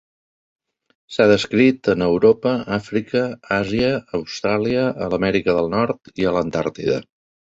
S'ha descrit en Europa, Àfrica, Àsia, Austràlia, a l'Amèrica del Nord i a l'Antàrtida.